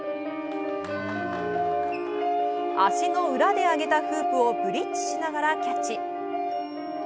足の裏で上げたフープをブリッジしながらキャッチ。